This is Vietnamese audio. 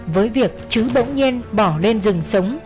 với việc chứ bỗng nhiên bỏ lên rừng sống